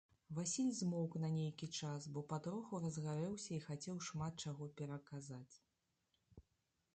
Васіль змоўк на нейкі час, бо патроху разгарэўся і хацеў шмат чаго пераказаць.